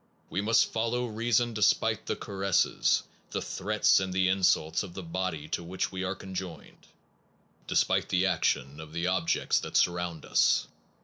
... We must follow reason despite the caresses, the threats and the in sults of the body to which we are conjoined, despite the action of the objects that surround us.